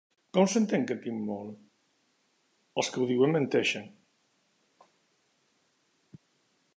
Com s'entén, que tinc molt? Els que ho diuen menteixen!